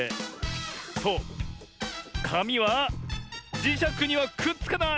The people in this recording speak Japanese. そうかみはじしゃくにはくっつかない！